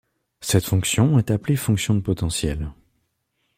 Cette fonction est appelée fonction de potentiel.